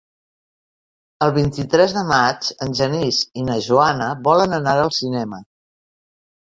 El vint-i-tres de maig en Genís i na Joana volen anar al cinema.